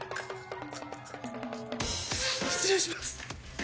失礼します。